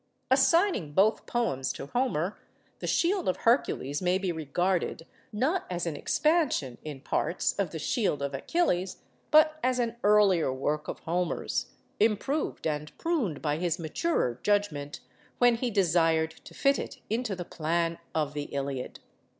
Assigning both poems to Homer, the 'Shield of Hercules' may be regarded, not as an expansion (in parts) of the 'Shield of Achilles,' but as an earlier work of Homer's, improved and pruned by his maturer judgment, when he desired to fit it into the plan of the 'Iliad.